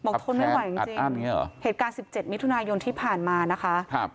บอกทนไม่ไหวจริงจริงเหตุการณ์สิบเจ็ดมิถุนายนที่ผ่านมานะคะครับ